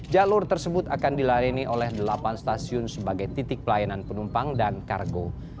jalur tersebut akan dilayani oleh delapan stasiun sebagai titik pelayanan penumpang dan kargo